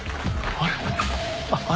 あれ。